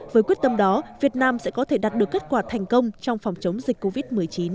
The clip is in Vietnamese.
với quyết tâm đó việt nam sẽ có thể đạt được kết quả thành công trong phòng chống dịch covid một mươi chín